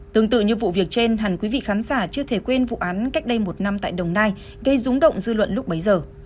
tương tự như vụ việc trên hẳn quý vị khán giả chưa thể quên vụ án cách đây một năm tại đồng nai gây rúng động dư luận lúc bấy giờ